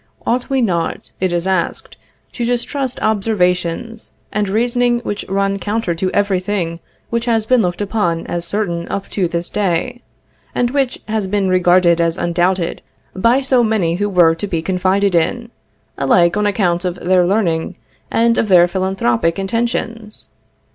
Ought we not, it is asked, to distrust observations and reasoning which run counter to every thing which has been looked upon as certain up to this day, and which has been regarded as undoubted by so many who were to be confided in, alike on account of their learning and of their philanthropic intentions?